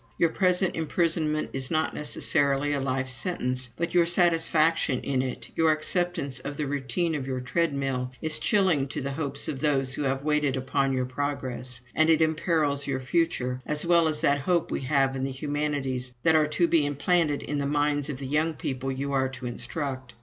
Your present imprisonment is not necessarily a life sentence; but your satisfaction in it your acceptance of the routine of your treadmill is chilling to the hopes of those who have waited upon your progress; and it imperils your future as well as that hope we have in the humanities that are to be implanted in the minds of the young people you are to instruct.